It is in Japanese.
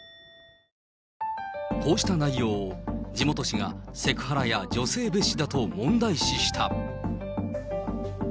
こうした内容を地元紙がセクハラや女性蔑視だと問題視した。